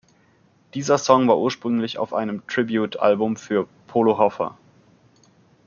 Dieser Song war ursprünglich auf einem Tribute-Album für Polo Hofer.